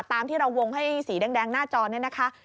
ตามที่เราวงให้สีแดงหน้าจอเนี่ยนะคะ